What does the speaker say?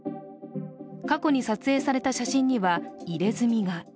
過去に撮影された写真には入れ墨が。